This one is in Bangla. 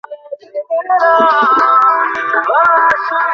কারণ আইনে পুলিশ সদস্যদের জন্য আলাদা কোন সুযোগ-সুবিধার কথা বলা নেই।